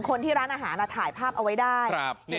คนที่ร้านอาหารถ่ายภาพเอาไว้ได้